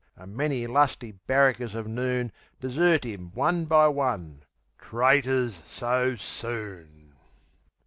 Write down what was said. And many lusty barrackers of noon Desert 'im one by one traitors so soon!